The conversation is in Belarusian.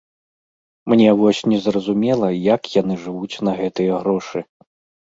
Мне вось незразумела, як яны жывуць на гэтыя грошы.